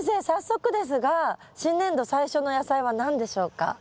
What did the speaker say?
早速ですが新年度最初の野菜は何でしょうか？